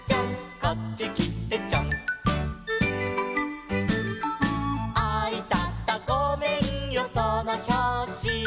「こっちきてちょん」「あいたたごめんよそのひょうし」